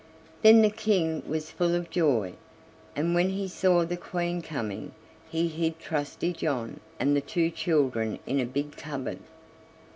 Then the King was full of joy, and when he saw the Queen coming, he hid Trusty John and the two children in a big cupboard.